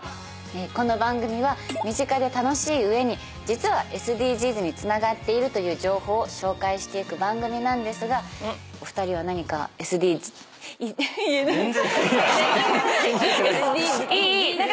この番組は身近で楽しい上に実はＳＤＧｓにつながっているという情報を紹介していく番組なんですがお二人は何かＳＤジ言えない。